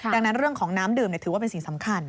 ดังนั้นเรื่องของน้ำดื่มถือว่าเป็นสิ่งสำคัญ